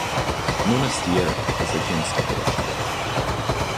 Monasterio is against abortion.